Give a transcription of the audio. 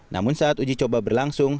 namun saat uji coba berlangsung